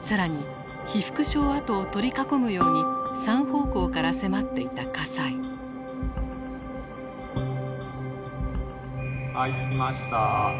更に被服廠跡を取り囲むように３方向から迫っていた火災。はいつきました。